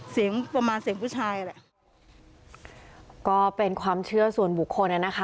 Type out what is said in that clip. เสียงประมาณเสียงผู้ชายแหละก็เป็นความเชื่อส่วนบุคคลอ่ะนะคะ